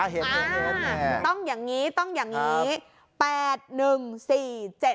ต้องอย่างนี้ต้องอย่างนี้